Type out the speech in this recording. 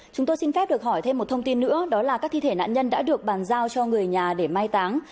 chúng tôi xin phép được hỏi thêm một thông tin nữa đó là các thi thể nạn nhân đã được bàn giao cho người nhà để mai táng